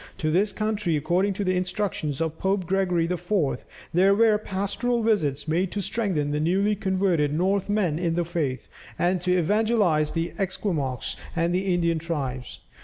To this country, according to the instructions of Pope Gregory IV., there were pastoral visits made to strengthen the newly converted Northmen in the faith, and to evangelize the Esquimaux and the Indian tribes.